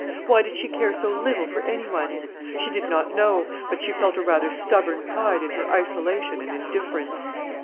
Why did she care so little for anyone? She did not know, but she felt a rather stubborn pride in her isolation and indifference.